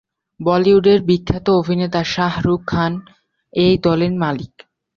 বলিউডের বিখ্যাত অভিনেতা শাহরুখ খান এই দলের মালিক।